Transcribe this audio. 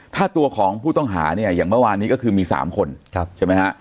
ถ้าตัวของผู้ต้องหาเนี่ยอย่างเมื่อวานนี้ก็คือมี๓คนใช่ไหมฮะ